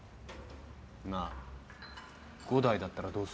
なあ伍代だったらどうする？